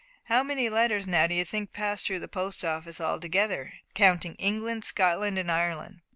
How many letters, now, d'you think, pass through the Post Office altogether counting England, Scotland, and Ireland?"